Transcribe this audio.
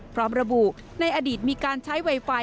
พร้อมระบุในอดีตมีการใช้ไวไฟ